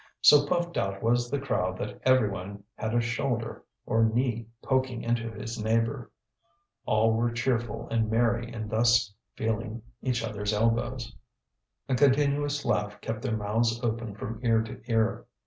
So puffed out was the crowd that every one had a shoulder or knee poking into his neighbour; all were cheerful and merry in thus feeling each other's elbows. A continuous laugh kept their mouths open from ear to ear.